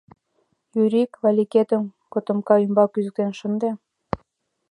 — Юрик, Валикетым котомка ӱмбак кӱзыктен шынде!